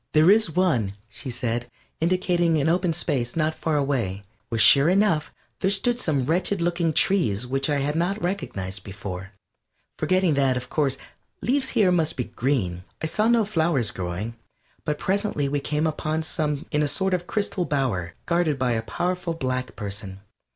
"There is one," she said, indicating an open space not far away, where sure enough there stood some wretched looking trees which I had not recognized before, forgetting that, of course, leaves here must be green. I saw no flowers growing, but presently we came upon some in a sort of crystal bower guarded by a powerful black person.